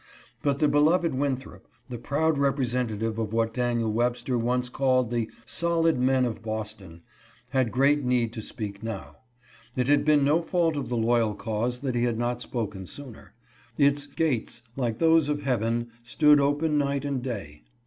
But the beloved Winthrop, the proud representative of what Daniel Web ster once called the " solid men of Boston," had great need to speak now. It had been no fault of the loyal cause that he had not spoken sooner. Its " gates, like those of Heaven, stood open night and day."